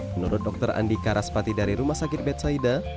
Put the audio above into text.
menurut dokter andi karaspati dari rumah sakit bethsaida